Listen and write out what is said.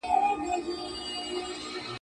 خدای پاک پر خپلو مخلوقاتو بې حده لورېدونکی دی.